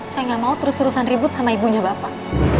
saya nggak mau terus terusan ribut sama ibunya bapak